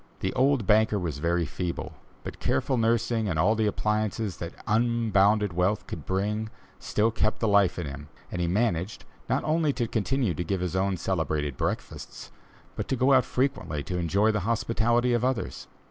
The old banker was very feeble, but careful nursing and all the appliances that unbounded wealth could bring, still kept the life in him and he managed, not only to continue to give his own celebrated breakfasts, but to go out frequently to enjoy the hospitality of others.